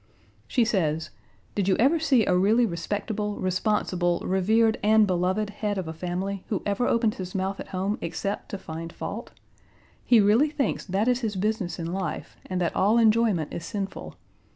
She says, did you ever see a really respectable, responsible, revered and beloved head of a family who ever opened his mouth at home except to find fault? He really thinks that is his business in life and that all enjoyment is sinful.